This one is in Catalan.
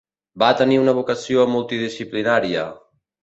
Va tenir una vocació multidisciplinària.